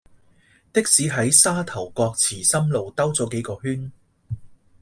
的士喺沙頭角祠心路兜左幾個圈